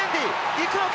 行くのか？